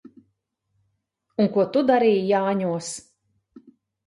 Un ko tu darīji Jāņos?